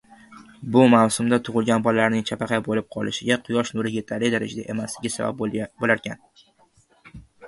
Shu mavsumda tugʻilgan bolalarning chapaqay boʻlib qolishiga quyosh nuri yetarli darajada emasligi sabab boʻlarkan.